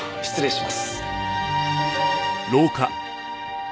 失礼します。